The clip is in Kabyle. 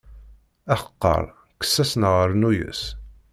Aḥeqqaṛ, kkes-as neɣ rnu-yas.